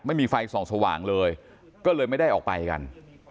ไม่มีไฟส่องสว่างเลยก็เลยไม่ได้ออกไปกัน